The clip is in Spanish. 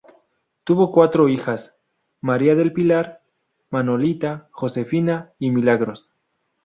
Tuvo cuatro hijas, María del Pilar, Manolita, Josefina y Milagros.